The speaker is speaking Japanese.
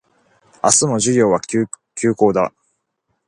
明日も授業は休講だ